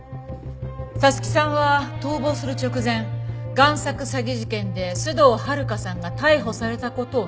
彩月さんは逃亡する直前贋作詐欺事件で須藤温香さんが逮捕された事を聞いているんです。